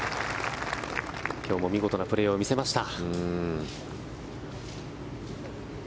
今日も見事なプレーを見せました。